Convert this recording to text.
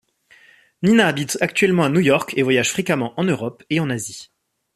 Nina habite actuellement à New York et voyage fréquemment en Europe et en Asie.